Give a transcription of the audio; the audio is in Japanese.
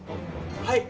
はい！